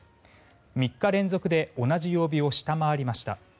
３日連続で同じ曜日を下回りました。